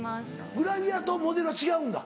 グラビアとモデルは違うんだ？